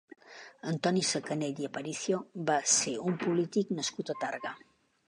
Antoni Secanell i Aparicio va ser un polític nascut a Tàrrega.